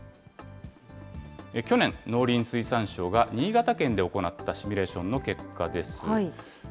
去年、農林水産省が新潟県で行ったシミュレーションの結果です。